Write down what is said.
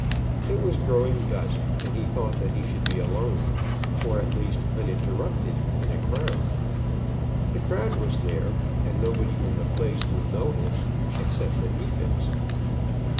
It was growing dusk, and he thought that he should be alone, or, at least, uninterrupted in a crowd. The crowd was there, and nobody in the place would know him, except the Neefits.